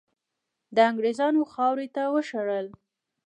د انګریزانو خاورې ته وشړل.